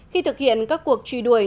khi thực hiện các cuộc truy đuổi